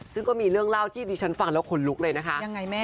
ซึ่งก็มีเรื่องเล่าที่ดิฉันฟังแล้วขนลุกเลยนะคะยังไงแม่